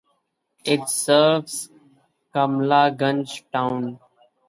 It serves Kamalganj town.